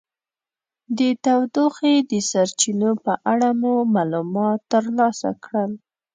د تودوخې د سرچینو په اړه مو معلومات ترلاسه کړل.